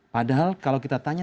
padahal kalau kita tanya